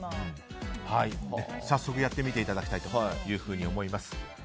早速やってみていただきたいと思います。